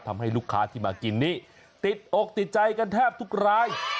ทำให้ลูกค้าที่มากินนี้ติดอกติดใจกันแทบทุกราย